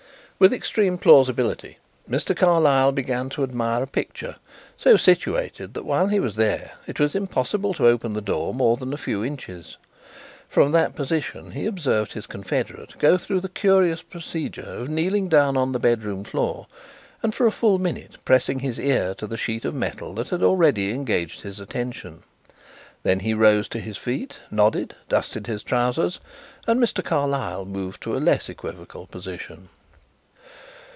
With extreme plausibility Mr. Carlyle began to admire a picture so situated that while he was there it was impossible to open the door more than a few inches. From that position he observed his confederate go through the curious procedure of kneeling down on the bedroom floor and for a full minute pressing his ear to the sheet of metal that had already engaged his attention. Then he rose to his feet, nodded, dusted his trousers, and Mr. Carlyle moved to a less equivocal position.